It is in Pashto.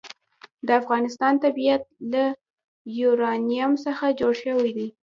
د افغانستان طبیعت له یورانیم څخه جوړ شوی دی.